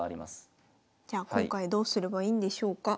じゃあ今回どうすればいいんでしょうか。